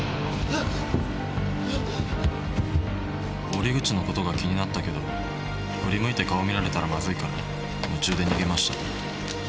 折口の事が気になったけど振り向いて顔を見られたらマズイから夢中で逃げました。